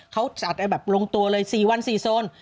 เขาจัดแบบลงตัวเลย๔วัน๔โซน